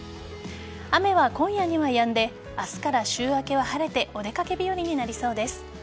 雨は今夜にはやんで明日から週明けは晴れてお出掛け日和になりそうです。